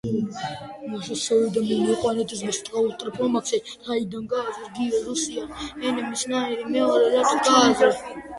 ნოვოჩერკასკის დაარსებამდე დონელი კაზაკების მთავარი ტაძარი იყო სტაროჩერკასკის აღდგომის ტაძარი.